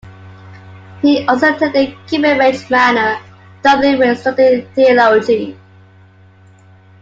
He also attended Kimmage Manor, Dublin where he studied Theology.